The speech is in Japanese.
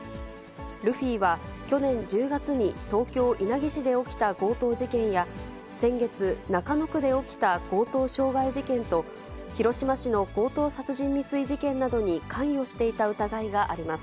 ルフィは去年１０月に東京・稲城市で起きた強盗事件や、先月、中野区で起きた強盗傷害事件と、広島市の強盗殺人未遂事件などに、関与していた疑いがあります。